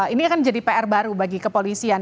ini akan jadi pr baru bagi kepolisian